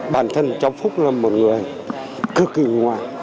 bản thân trong phúc là một người cực kỳ ngoại